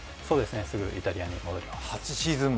すぐイタリアに戻ります。